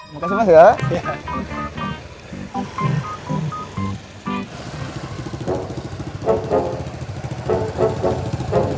mau kasih mas gak